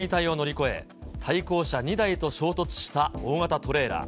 中央分離帯を乗り越え、対向車２台と衝突した大型トレーラー。